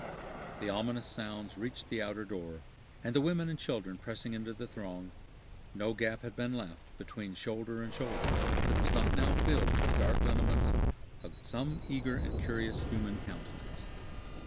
The ominous sounds reached the outer door, and the women and children pressing into the throng, no gap had been left, between shoulder and shoulder, that was not now filled with the dark lineaments of some eager and curious human countenance.